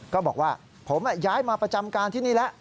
ก็บอกว่าผมย้ายมาประจำการที่นี่แล้ว